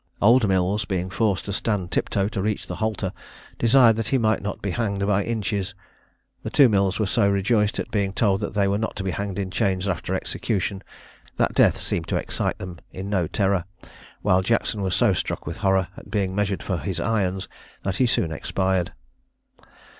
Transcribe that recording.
Old Mills being forced to stand tiptoe to reach the halter, desired that he might not be hanged by inches. The two Mills were so rejoiced at being told that they were not to be hanged in chains after execution, that death seemed to excite in them no terror; while Jackson was so struck with horror at being measured for his irons, that he soon expired.